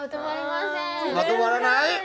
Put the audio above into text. まとまらない？